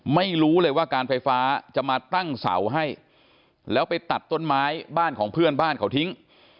ไม่รู้เลยว่าการไฟฟ้าจะมาตั้งเสาให้แล้วไปตัดต้นไม้บ้านของเพื่อนบ้านเขาทิ้ง